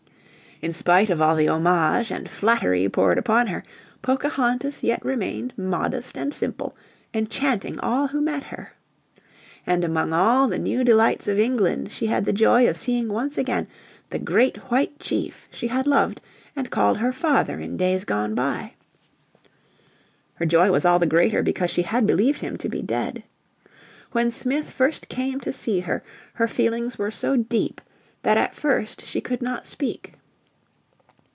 In spite of all the homage and flattery poured upon her, Pocahontas yet remained modest and simple, enchanting all who met her. And among all the new delights of England she had the joy of seeing once again the great White Chief she had loved and called her father in days gone by. Her joy was all the greater because she had believed him to be dead. When Smith first came to see her her feelings were so deep that at first she could not speak.